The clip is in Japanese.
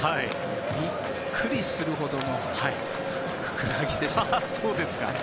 ビックリするほどのふくらはぎでしたよ。